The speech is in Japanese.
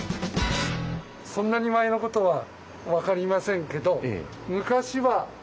そんなに前のことは分かりませんけど昔は今のバス停の。